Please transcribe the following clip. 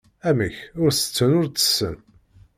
Amek, ur tetten ur tessen?